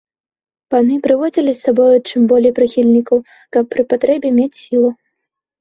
Паны прыводзілі з сабою чым болей прыхільнікаў, каб пры патрэбе мець сілу.